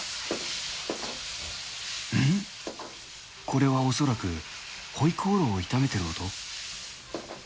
これは恐らく、回鍋肉を炒めてる音？